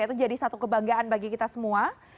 itu jadi satu kebanggaan bagi kita semua